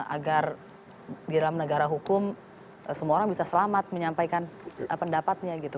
agar di dalam negara hukum semua orang bisa selamat menyampaikan pendapatnya gitu